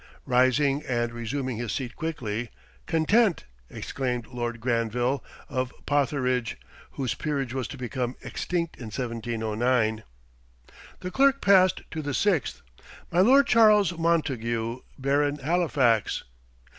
Rising and resuming his seat quickly, "Content," exclaimed Lord Granville, of Potheridge, whose peerage was to become extinct in 1709. The Clerk passed to the sixth. "My Lord Charles Montague, Baron Halifax."